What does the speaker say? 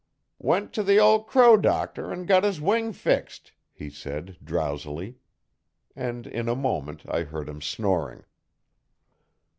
'Went t' the ol' crow doctor 'n got his wing fixed,' he said, drowsily. And in a moment I heard him snoring.